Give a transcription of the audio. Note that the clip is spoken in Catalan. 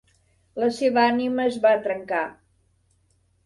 La seva ànima es va trencar.